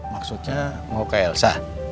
maksudnya mau ke elsa